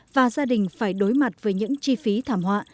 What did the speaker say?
và gia đình phải đối mặt với những chi phí thảm họa